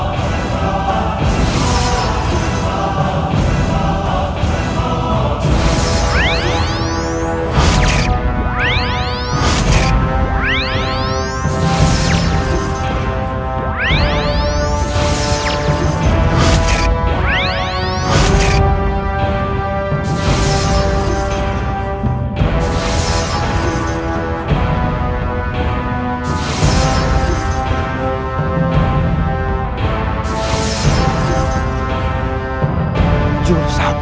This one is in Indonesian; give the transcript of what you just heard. juru sahabat itu